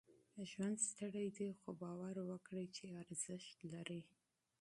ژوند ستړی دی، خو؛ باور وکړئ چې ارزښت لري.